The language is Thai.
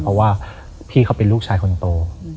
เพราะว่าพี่เขาเป็นลูกชายคนโต